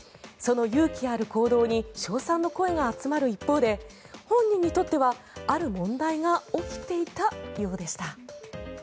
その勇気ある行動に称賛の声が集まる一方で本人にとっては、ある問題が起きていたようでした。